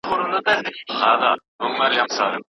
که لارښوونه سمه نه وي شاګرد به له خپلې اصلي لارې بې لارې سي.